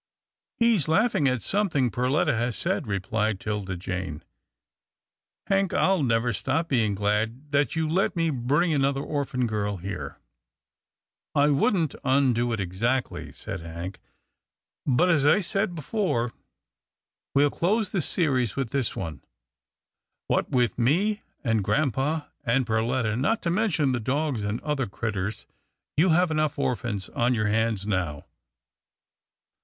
" He's laughing at something Perletta has said," replied 'Tilda Jane. " Hank — I'll never stop being glad that you let me bring another orphan girl here." " I wouldn't undo it exactly," said Hank, " but as I said before, we'll close the series with this one. What with me, and grampa, and Perletta, not to mention the dogs and other critters, you have enough orphans on your hands now.